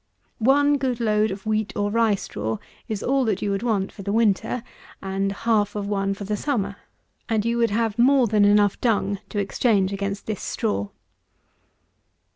One good load of wheat or rye straw is all that you would want for the winter, and half of one for the summer; and you would have more than enough dung to exchange against this straw.